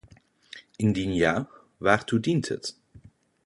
Indien ja, waartoe dient het?